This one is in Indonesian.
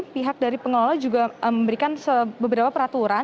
pihak dari pengelola juga memberikan beberapa peraturan